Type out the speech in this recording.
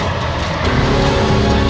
aku mau ke rumah